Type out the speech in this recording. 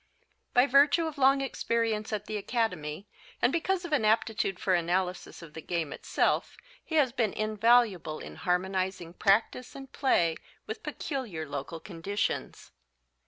By virtue of long experience at the Academy and because of an aptitude for analysis of the game itself he has been invaluable in harmonizing practice and play with peculiar local conditions.